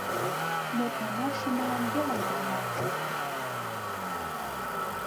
Модмына шуымылан веле модына.